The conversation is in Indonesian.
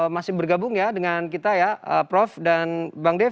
masih bergabung ya dengan kita ya prof dan bang dev